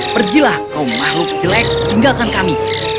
pergilah kaum makhluk jelek tinggalkan kami